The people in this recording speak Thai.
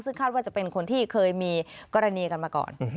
ซึ่งคาดว่าจะเป็นคนที่เคยมีกรณีกันมาก่อน